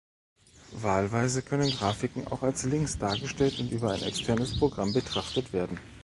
Wahlweise können Grafiken auch als Links dargestellt und über ein externes Programm betrachtet werden.